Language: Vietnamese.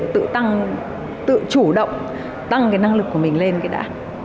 tự tăng tự chủ động tăng cái năng lực của mình lên cái đã